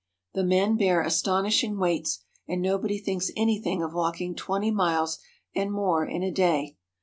The men bear astonishing weights, and nobody thinks anything of walking twenty miles and more in a day.